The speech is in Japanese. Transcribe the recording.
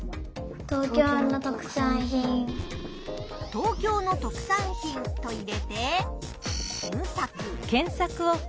「東京の特産品」と入れて検索。